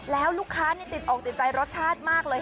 แล้วลูกค้านี่ติดอกติดใจรสชาติมากเลย